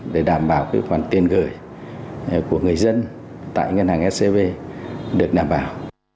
để đảm bảo cái quản tiền gửi của người dân tại ngân hàng scb được đảm bảo